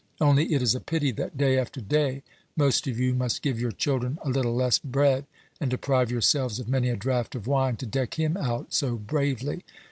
Only it is a pity that, day after day, most of you must give your children a little less bread and deprive yourselves of many a draught of wine to deck him out so bravely.